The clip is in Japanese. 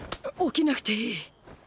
起きなくていい。